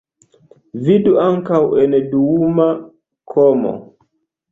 Vidu ankaŭ en duuma komo.